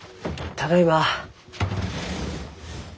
ただいま。